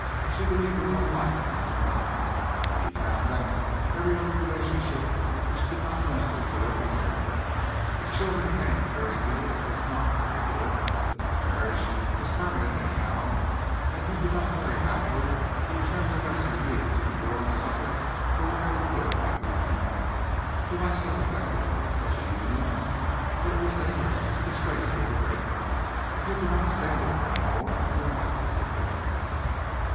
She believed in one life and one love. When you found that, every other relationship which did not minister to it was ended. If children came, very good; if not, very good; marriage was permanent anyhow. And if you did not marry happily it was nevertheless your duty to endure and suffer for whatever good might remain. You might suffer badly in such a union, but it was dangerous and disgraceful to break it. If you could not stand it any more, your life was a failure.